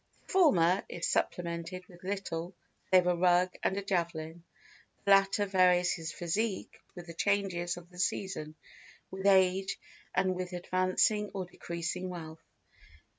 The former is supplemented with little save a rug and a javelin; the latter varies his physique with the changes of the season, with age, and with advancing or decreasing wealth.